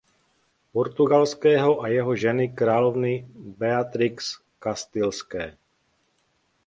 Portugalského a jeho ženy královny Beatrix Kastilské.